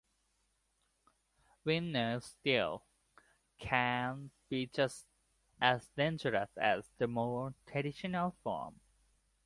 "Winner's tilt" can be just as dangerous as the more traditional form.